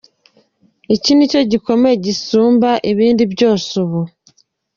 Iki ni co gikomeye gisumba ibindi vyose ubu.